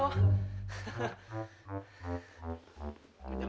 apa yang tadi